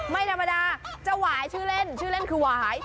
ไม่ธรรมดาเจ้าหวายชื่อเล่นชื่อเล่นคือหวาย